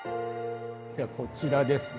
ではこちらですね。